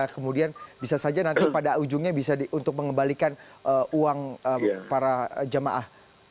kemudian bisa saja nanti pada ujungnya bisa untuk mengembalikan uang para jamaah